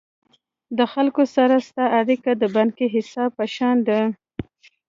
د خلکو سره ستا اړیکي د بانکي حساب په شان دي.